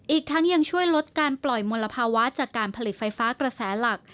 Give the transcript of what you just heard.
อีกทั้งยังช่วยลดการปล่อยมลภาวะจากการผลิตไฟฟ้ากระแสหลัก